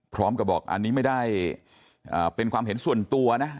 พร้อมกับบอกอันนี้ไม่ได้เป็นความเห็นส่วนตัวนะ